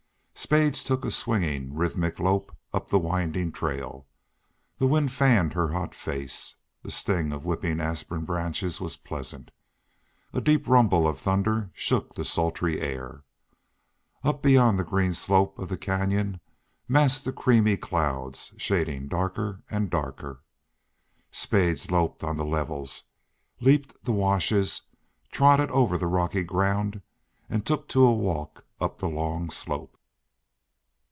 Spades took a swinging, rhythmic lope up the winding trail. The wind fanned her hot face. The sting of whipping aspen branches was pleasant. A deep rumble of thunder shook the sultry air. Up beyond the green slope of the canyon massed the creamy clouds, shading darker and darker. Spades loped on the levels, leaped the washes, trotted over the rocky ground, and took to a walk up the long slope.